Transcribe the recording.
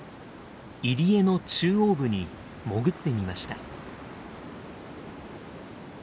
入り江の中央部に潜ってみました。